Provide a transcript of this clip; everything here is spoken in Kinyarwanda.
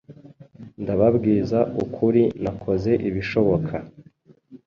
Ndababwiza ukuri nakoze ibishoboka